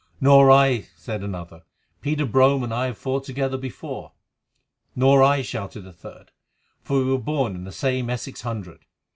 "Nor I," said another. "Peter Brome and I have fought together before." "Nor I," shouted a third, "for we were born in the same Essex hundred."